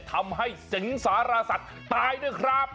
ทำให้สิงสารสัตว์ตายด้วยครับ